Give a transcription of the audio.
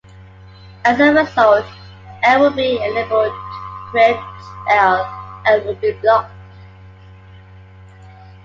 As a result, M will be unable to preempt L and will be blocked.